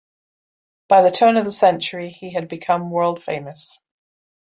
By the turn of the century, he had become world-famous.